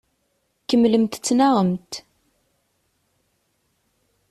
Kemmlemt ttnaɣemt.